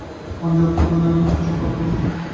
মন যে উপাদানে নির্মিত, তাহা সূক্ষ্ম তন্মাত্রাও উৎপন্ন করে।